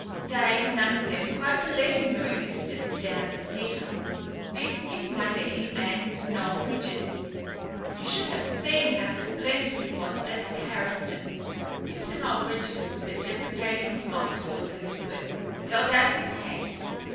"They none of them quite believe in your existence down at the theatre. This is my leading man, Noel Bridges. You should have seen how splendid he was as Carriston." Mr. Noel Bridges, with a deprecating smile towards Elizabeth, held out his hand.